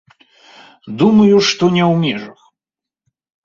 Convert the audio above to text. Думаю, што не ў межах.